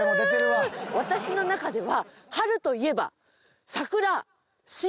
私の中では。